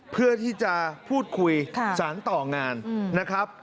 เพื่อที่จะพูดคุยสารต่องานนะครับ